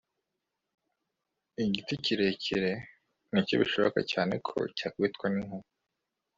igiti kirekire, niko bishoboka cyane ko cyakubitwa ninkuba